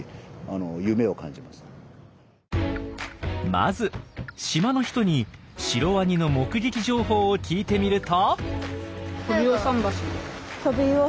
まず島の人にシロワニの目撃情報を聞いてみると。